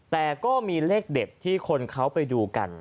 แต่ก็มีเลขเด็ดที่คนเขาไปดูกัน